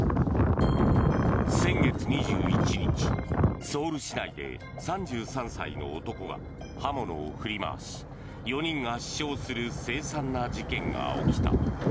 先月２１日ソウル市内で３３歳の男が刃物を振り回し、４人が死傷するせい惨な事件が起きた。